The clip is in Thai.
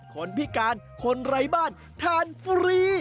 คนพิการคนไร้บ้านทานฟรี